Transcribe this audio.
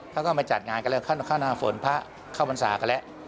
เขาก็มาจัดงานกันแล้วเข้าหน้าฝนพระเข้าพรรษากันแล้ว